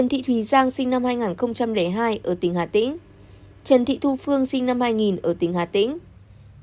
trần thị thu phương sinh năm hai nghìn ở tỉnh hà tĩnh